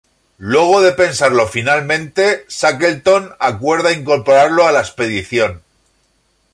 Luego de pensarlo finalmente Shackleton acuerda incorporarlo a la expedición.